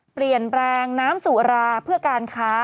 เปลี่ยนแปลงน้ำสุราเพื่อการค้า